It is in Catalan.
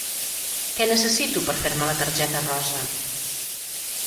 Què necessito per fer-me la targeta rosa?